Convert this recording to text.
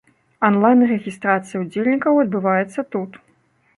Анлайн-рэгістрацыя ўдзельнікаў адбываецца тут.